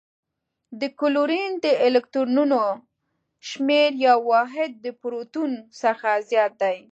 د کلورین د الکترونونو شمیر یو واحد د پروتون څخه زیات دی.